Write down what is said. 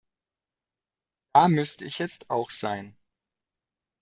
Da müsste ich jetzt auch sein.